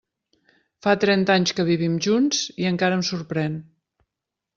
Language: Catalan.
Fa trenta anys que vivim junts i encara em sorprèn.